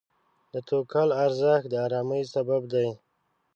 د توکل ارزښت د آرامۍ سبب دی.